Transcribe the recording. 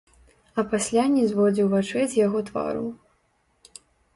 А пасля не зводзіў вачэй з яго твару.